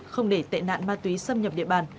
không để tệ nạn ma túy xâm nhập địa bàn